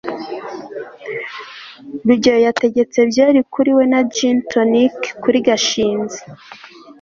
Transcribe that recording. rugeyo yategetse byeri kuri we na gin tonic kuri gashinzi